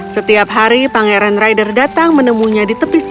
setiap hari pangeran rider datang menemunya di tepi sungai